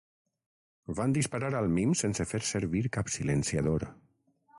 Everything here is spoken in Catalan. Van disparar al mim sense fer servir cap silenciador.